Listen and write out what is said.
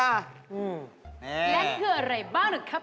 และคืออะไรบ้างนะครับ